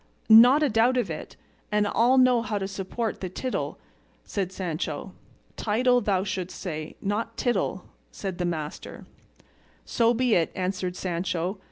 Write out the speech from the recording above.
"Not a doubt of it; and I'll know how to support the tittle," said Sancho. "Title thou shouldst say, not tittle," said his master. "So be it," answered Sancho.